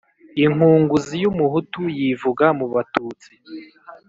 Inkunguzi y’umuhutu yivuga mu batutsi.